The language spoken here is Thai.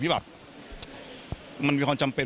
แบบมันมีความจำเป็น